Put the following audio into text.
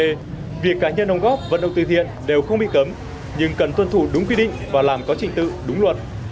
người cá nhân đóng góp vận động từ thiện đều không bị cấm nhưng cần tuân thủ đúng quy định và làm có trình tự đúng luật